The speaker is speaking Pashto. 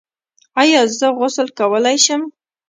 ایا زه غسل کولی شم؟